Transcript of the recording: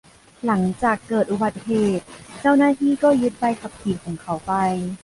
หลังจากเกิดอุบัติเหตุ เจ้าหน้าที่ก็ยึดใบขับขี่ของเขาไป